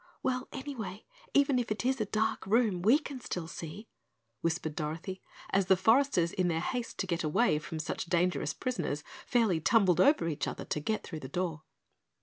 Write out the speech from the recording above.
"Well, anyway, even if it is a dark room we can still see," whispered Dorothy, as the foresters in their haste to get away from such dangerous prisoners fairly tumbled over each other to get through the door.